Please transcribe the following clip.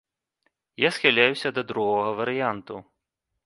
Я схіляюся да другога варыянту.